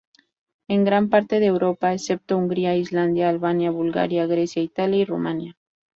En gran parte de Europa, excepto Hungría, Islandia, Albania, Bulgaria, Grecia, Italia y Rumanía.